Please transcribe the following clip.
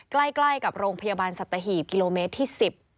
ใกล้กับโรงพยาบาลสัตหีบกิโลเมตรที่๑๐